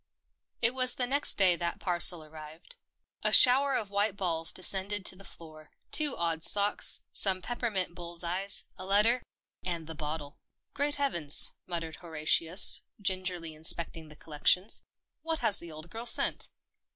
It was the next day that parcel arrived. A shower of white balls descended to the floor, two odd socks, some peppermint bull's eyes, a letter, and the bottle. " Great Heavens !" muttered Horatius, gingerly inspecting the collection. " What has the old girl sent